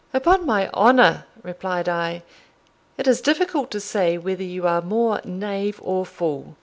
"Upon my honour," replied I, "it is difficult to say whether you are more knave or fool.